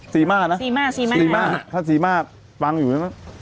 ซีม่าถ้าซีม่าฟังอยู่